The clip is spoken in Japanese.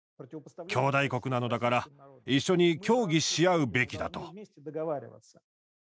兄弟国なのだから一緒に協議し合うべきだと。